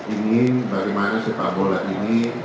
ingin bagaimana sepak bola ini